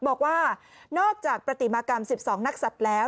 บอกว่านอกจากปฏิมากรรม๑๒นักศัตริย์แล้ว